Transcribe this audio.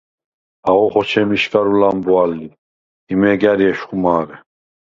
აღო ხოჩემიშგარუ ლამბვალ ი, იმეგ ა̈რი ეშხუ მარე.